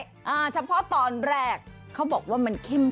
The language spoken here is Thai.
อ่าเฉพาะตอนแรกเขาบอกว่ามันเข้ม